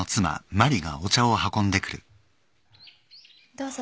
どうぞ。